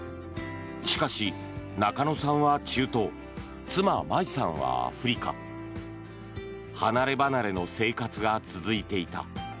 しかし、中野さんは中東妻・麻衣さんはアフリカ。離ればなれの生活が続いていた。